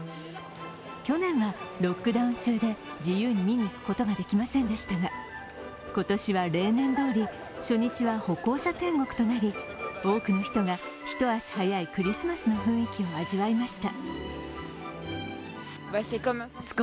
去年はロックダウン中で自由に見にいくことができませんでしたが今年は例年どおり初日は歩行者天国となり多くの人が一足早いクリスマスの雰囲気を味わいました。